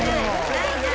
ないない。